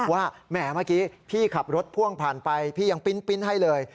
แหมเมื่อกี้พี่ขับรถพ่วงผ่านไปพี่ยังปิ๊นให้เลย